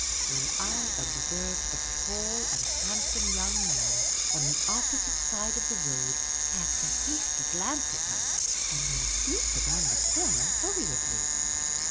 "—when I observed a tall and hand some young man on the opposite side of the road cast a hasty glance at us, and then sneak around the corner hurriedly.